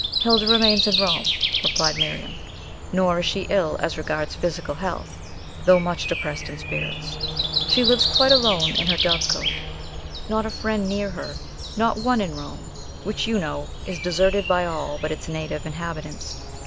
"Hilda remains in Rome," replied Miriam, "nor is she ill as regards physical health, though much depressed in spirits. She lives quite alone in her dove cote; not a friend near her, not one in Rome, which, you know, is deserted by all but its native inhabitants.